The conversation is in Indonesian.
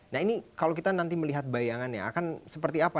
nah ini kalau kita nanti melihat bayangannya akan seperti apa